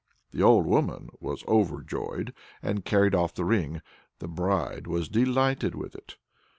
The old woman was overjoyed and carried off the ring. The bride was delighted with it.